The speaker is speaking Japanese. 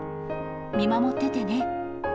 見守っててね。